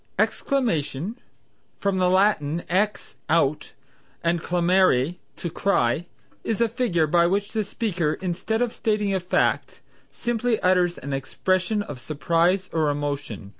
Exclamation (from the Latin ex, out, and clamare, to cry), is a figure by which the speaker instead of stating a fact, simply utters an expression of surprise or emotion.